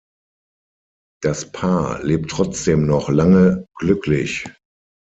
Das Paar lebt trotzdem noch lange glücklich.